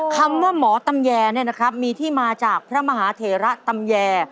คำว่าหมอตำแยมีที่มาจากพระมหาเถระตำแย